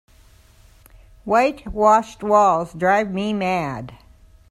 White washed walls drive me mad.